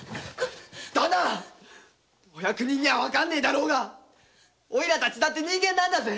ダンナお役人にはわからねぇだろうがおいらたちだって人間なんだぜ。